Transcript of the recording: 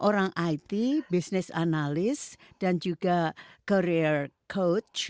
orang it bisnis analis dan juga career coach